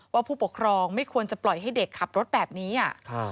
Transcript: ผู้ปกครองไม่ควรจะปล่อยให้เด็กขับรถแบบนี้